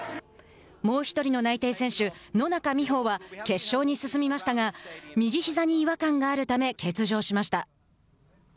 もう１人の内定選手、野中生萌は決勝に進みましたが右ひざに違和感があるため欠場しました。